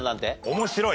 面白い。